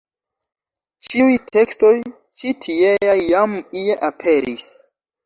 Ĉiuj tekstoj ĉi-tieaj jam ie aperis.